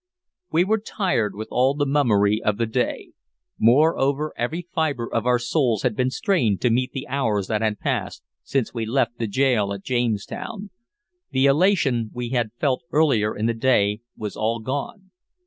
We were tired with all the mummery of the day; moreover, every fibre of our souls had been strained to meet the hours that had passed since we left the gaol at Jamestown. The elation we had felt earlier in the day was all gone.